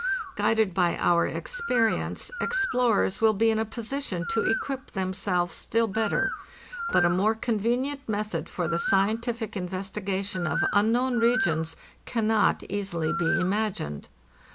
Guided by our experience, explorers will be in a position to equip them selves still better; but a more convenient method for the scien tific investigation of unknown regions cannot easily be imagined.